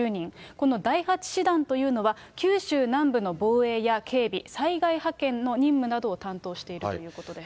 この第８師団というのは、九州南部の防衛や警備、災害派遣の任務などを担当しているということです。